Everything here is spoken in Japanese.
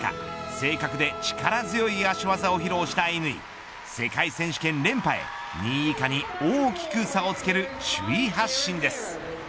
正確で力強い足技を披露した乾世界選手権連覇へ２位以下に大きく差をつける首位発進です。